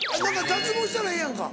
脱毛したらええやんか。